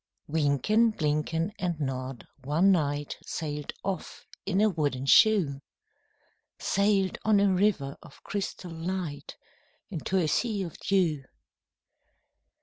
Wynken, Blynken, and Nod one night Sailed off in a wooden shoe,— Sailed on a river of crystal light Into a sea of dew.